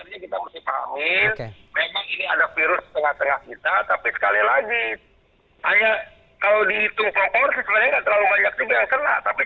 jadi ini sebenarnya kita harus pahamin memang ini ada virus setengah setengah kita tapi sekali lagi hanya kalau dihitung komporsi sebenarnya nggak terlalu banyak juga yang kena tapi cuma masalahnya tadi